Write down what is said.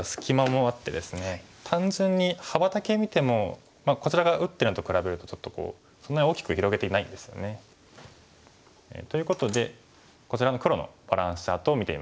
単純に幅だけ見てもこちら側打ってるのと比べるとちょっとこうそんなに大きく広げていないんですよね。ということでこちらの黒のバランスチャートを見てみましょう。